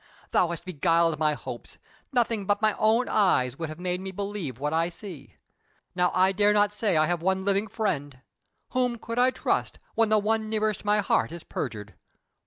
Thou hast beguiled my hopes! Nothing but my own eyes would have made me believe what I see. Now I dare not say I have one living friend, whom could I trust, when the one nearest my heart is perjured?